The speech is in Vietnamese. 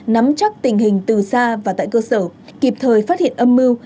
nắm chắc tình hình từ xa và tại cơ sở kịp thời phát hiện âm mưu